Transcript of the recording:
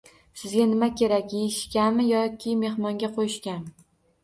Sizga nimaga kerak – yeyishgami yoki mehmonga qo‘yishgami?